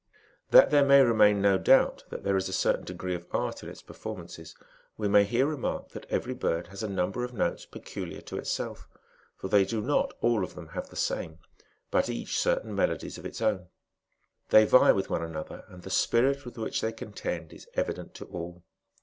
That there may remain no doubt that there is a certain degree of art in its performances, we may here remark that every bird has a number of notes peculiar to itself; for they do not, all of them, have the same, but each, certain melodies of its own. They vie with one another, and the spirit with which they contend is evident to all.